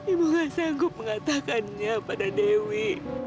ibu gak sanggup mengatakannya pada dewi